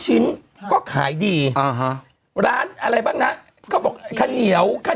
ชินต์ก็ขายดีอ่าฮะร้านอะไรบ้างน่ะก็บอกค่าเหนียวค่า